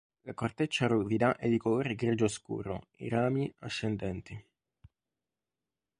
La corteccia ruvida è di colore grigio scuro e i rami ascendenti.